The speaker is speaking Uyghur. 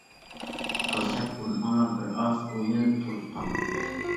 قىزچاق بۇنى ئاڭلاپ، بىرئاز ئويلىنىپ تۇرۇپ قالدى.